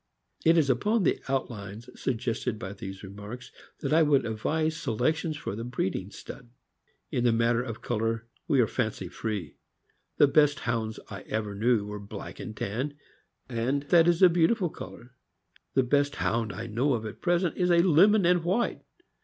It is upon the outlines suggested by these remarks that I would advise selections for the breeding stud. In the matter of color, we are fancy free. The best Hounds I ever knew were black and tan, and that is a beautiful color. The best Hound I know of at present is a lemon and white.